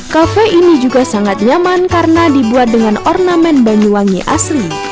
kafe ini juga sangat nyaman karena dibuat dengan ornamen banyuwangi asli